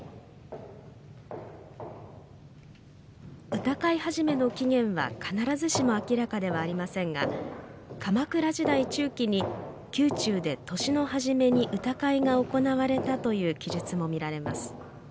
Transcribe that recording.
歌会始の起源は必ずしも明らかではありませんが鎌倉時代中期に宮中で年の初めに歌会が行われたという記述もみられます。